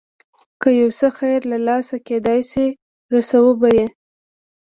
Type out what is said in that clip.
که یو څه خیر له لاسه کېدای شي رسوو به یې.